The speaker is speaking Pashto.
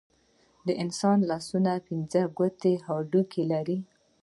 د انسان لاسونه پنځه ویشت هډوکي لري.